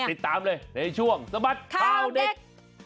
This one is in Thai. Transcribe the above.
ติดตามเลยในช่วงสบัดข่าวเด็ก